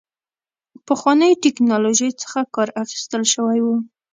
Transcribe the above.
پخوانۍ ټکنالوژۍ څخه کار اخیستل شوی و.